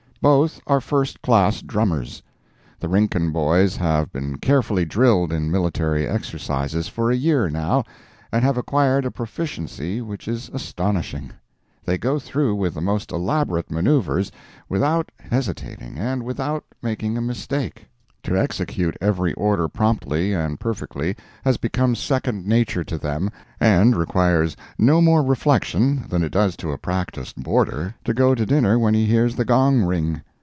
Both are first class drummers. The Rincon boys have been carefully drilled in military exercises for a year, now, and have acquired a proficiency which is astonishing. They go through with the most elaborate manoeuvres without hesitating and without making a mistake; to execute every order promptly and perfectly has become second nature to them, and requires no more reflection than it does to a practised boarder to go to dinner when he hears the gong ring.